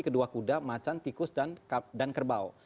kedua kuda macan tikus dan kerbau